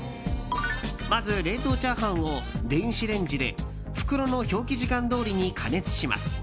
まず、冷凍チャーハンを袋の表記時間どおりに加熱します。